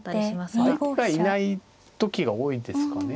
相手がいない時が多いですかね。